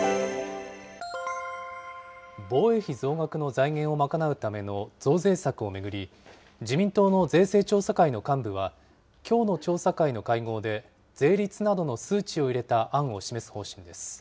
防衛費増額の財源を賄うための増税策を巡り、自民党の税制調査会の幹部は、きょうの調査会の会合で、税率などの数値を入れた案を示す方針です。